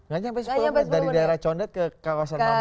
gak sampai sepuluh menit dari daerah condet ke kawasan mampang